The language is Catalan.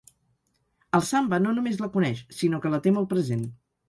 El Samba no només la coneix, sinó que la té molt present.